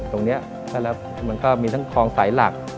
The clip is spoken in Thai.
ตรงนี้มันก็มีทั้งคลองสายหลัก